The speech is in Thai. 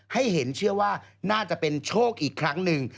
ให้เห็นเชื่อว่าน่าจะเป็นโชคอีกครั้งหนึ่ง